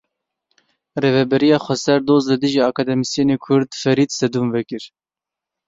Rêveberiya Xweser doz li dijî akademîsyenê Kurd Ferîd Sedûn vekir.